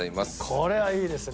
これはいいですね。